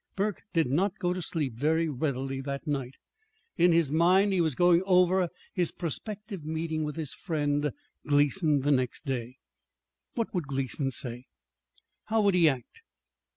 Burke did not go to sleep very readily that night. In his mind he was going over his prospective meeting with his friend Gleason the next day. What would Gleason say? How would he act?